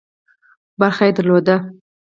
ونډه یې درلوده.